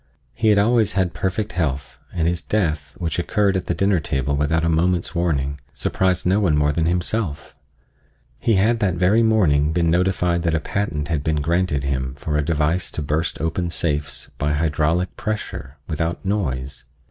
He had always had perfect health, and his death, which occurred at the dinner table without a moment's warning, surprised no one more than himself. He had that very morning been notified that a patent had been granted him for a device to burst open safes by hydraulic pressure, without noise.